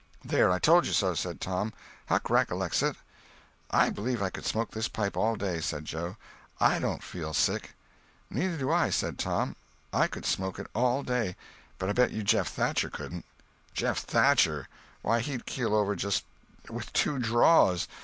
"There—I told you so," said Tom. "Huck recollects it." "I bleeve I could smoke this pipe all day," said Joe. "I don't feel sick." "Neither do I," said Tom. "I could smoke it all day. But I bet you Jeff Thatcher couldn't." "Jeff Thatcher! Why, he'd keel over just with two draws.